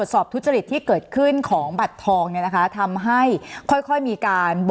สนับสนุนโดยพี่โพเพี่ยวสะอาดใสไร้คราบ